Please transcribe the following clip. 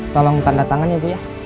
tolong tanda tangan ya bu ya